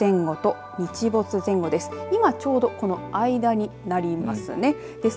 昼前後と日没前後です。